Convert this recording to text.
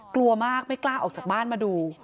กลัวมากไม่กล้าออกจากบ้านมาดู